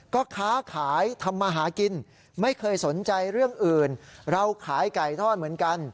ก็ค้าขายทำมาหากินไม่เคยสนใจเรื่องอื่นเราขายไก่ทอดเหมือนกัน